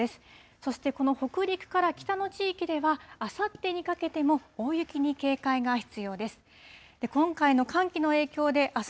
そしてこの北陸から北の地域では、あさってにかけても大雪に警戒が必要です。